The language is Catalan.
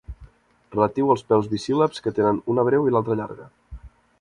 Relatiu als peus bisíl·labs que en tenen una breu i l'altra llarga.